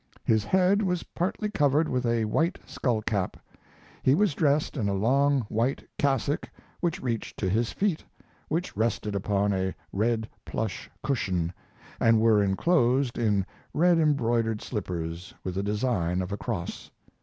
His head was partly covered with a white skullcap; he was dressed in a long white cassock which reached to his feet, which rested upon a red plush cushion and were inclosed in red embroidered slippers with a design of a cross.